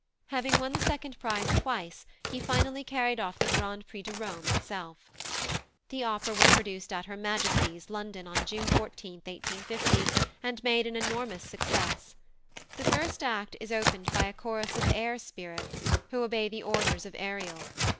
Having won the second prize twice, he finally carried off the Grand Prix de Rome itself. The opera was produced at Her Majesty's, London, on June 14, 1850, and made an enormous success. The first act is opened by a chorus of Air Spirits, who obey the orders of Ariel.